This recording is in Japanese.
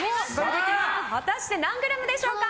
果たして何グラムでしょうか。